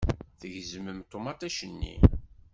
Tgezmem ṭumaṭic-nni.